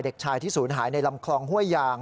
เด็กชายที่ศูนย์หายในลำคลองห้วยยาง